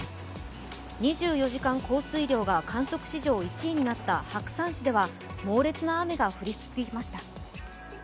２４時間降水量が観測史上１位になった白山市では猛烈な雨が降り続きました。